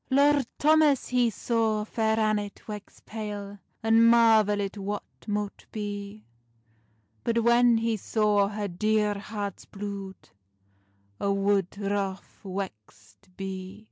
Lord Thomas he saw Fair Annet wex pale, And marvelit what mote bee; But when he saw her dear heart's blude, A' wood wroth wexed bee.